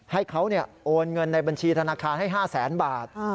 ให้เขาโอนเงินในบัญชีธนาคารให้๕แสนบาท